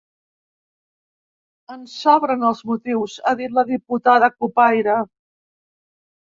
En sobren els motius, ha dit la diputada cupaire.